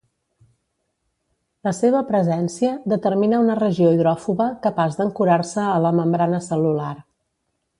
La seva presència determina una regió hidròfoba capaç d'ancorar-se a la membrana cel·lular.